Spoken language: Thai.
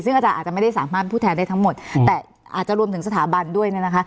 ซึ่งอาจารย์อาจจะไม่ได้สามารถพูดแทนได้ทั้งหมดแต่อาจจะรวมถึงสถาบันด้วยเนี่ยนะคะ